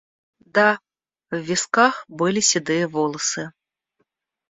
Да, в висках были седые волосы.